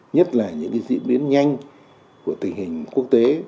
nhất là những diễn biến nhanh của tình hình quốc tế